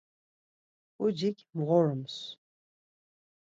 Pucik mğorums.